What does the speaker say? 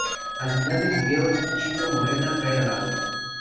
Al final del video, Chino Moreno cae al agua.